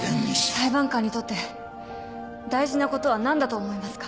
裁判官にとって大事なことは何だと思いますか。